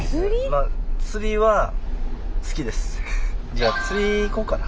じゃあ釣り行こうかな。